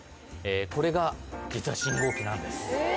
これが実は信号機なんです。